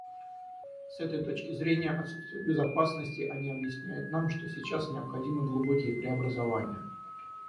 С этой точки зрения отсутствия безопасности они объясняют нам, что сейчас необходимы глубокие преобразования.